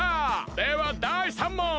ではだい３もん！